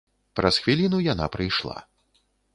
Праз хвіліну яна прыйшла.